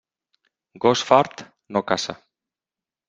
Gos fart, no caça.